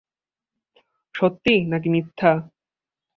সত্যি না কি মিথ্যা?